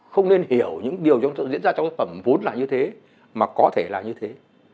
không nên hiểu những điều diễn ra trong sản phẩm vốn là như thế mà có thể là như thế